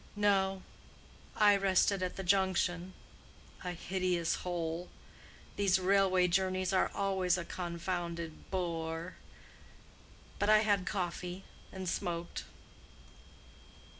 "No, I rested at the Junction—a hideous hole. These railway journeys are always a confounded bore. But I had coffee and smoked."